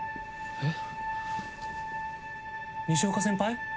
えっ？